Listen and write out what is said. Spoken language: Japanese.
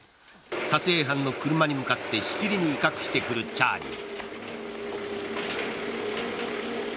撮影班の車に向かってしきりに威嚇してくるチャーリー。